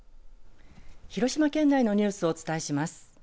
広島県内のニュースをお伝えします。